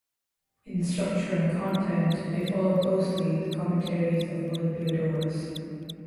In structure and content they follow closely the commentaries of Olympiodorus.